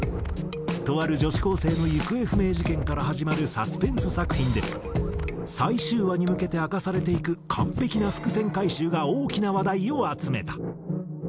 とある女子高生の行方不明事件から始まるサスペンス作品で最終話に向けて明かされていく完璧な伏線回収が大きな話題を集めた。